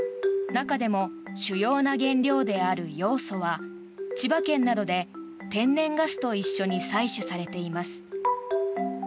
中でも主要な原料であるヨウ素は千葉県などで天然ガスと一緒に採取されています。